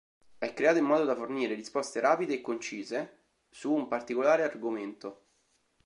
È creato in modo da fornire risposte rapide e concise su un particolare argomento.